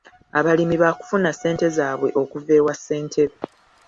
Abalimi baakufuna ssente zaabwe okuva ewa ssentebe.